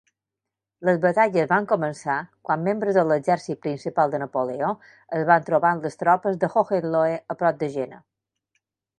Les batalles van començar quan membres de l'exèrcit principal de Napoleó es van trobar amb les tropes de Hohenlohe a prop de Jena.